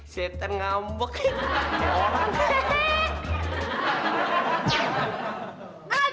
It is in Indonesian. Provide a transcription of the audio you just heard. setan ngambek ya orang